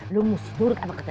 lu mus nurut sama ketua